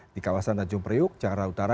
di kawasan tanjung priuk jakarta utara